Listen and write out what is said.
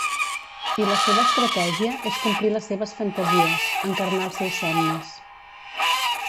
I la seva estratègia és complir les seves fantasies, encarnar els seus somnis.